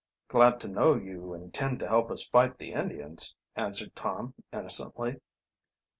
"Glad to know you intend to help us fight the Indians," answered Tom innocently.